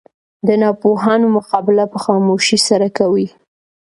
د ناپوهانو مقابله په خاموشي سره کوئ!